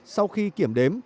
sau khi kiểm đếm